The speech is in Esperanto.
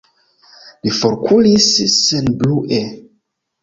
Li forkuris senbrue.